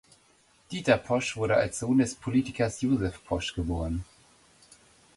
Dieter Posch wurde als Sohn des Politikers Josef Posch geboren.